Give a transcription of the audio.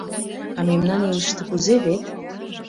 А мемнан илышыште кузе вет?